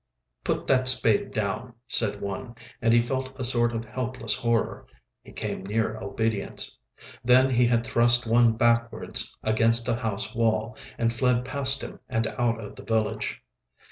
"Put that spade down," said one, and he felt a sort of helpless horror. He came near obedience. Then he had thrust one backwards against a house wall, and fled past him and out of the village.